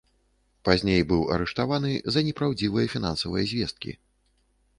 Пазней быў арыштаваны за непраўдзівыя фінансавыя звесткі.